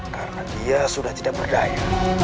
karena dia sudah tidak berdaya